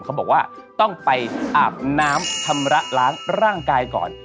เขาบอกว่าต้องไปอาบน้ำชำระล้างร่างกายก่อน